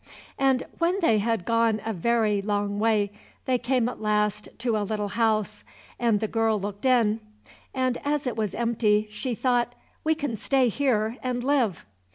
And when they had gone a very long way they came at last to a little house, and the girl looked in; and as it was empty, she thought, "We can stay here and live."